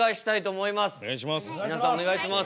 お願いします。